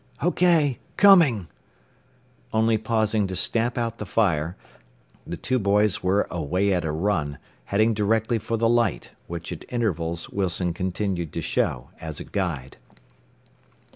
"OK. Coming." Only pausing to stamp out the fire, the two boys were away at a run, heading directly for the light, which at intervals Wilson continued to show, as a guide.